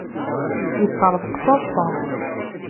Yeṭṭerḍeq d taḍsa.